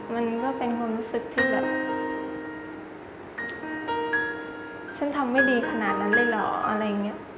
มันก็เป็นความรู้สึกที่แบบฉันทำไม่ดีขนาดนั้นเลยเหรออะไรอย่างนี้